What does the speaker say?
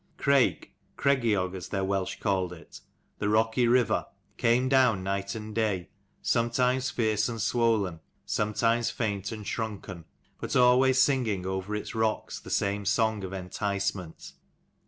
Crake, Cregiog as their Welsh called it, the rocky river, came down night and day, sometimes fierce and swollen, sometimes faint and shrunken, but always singing over its rocks the same song of enticement.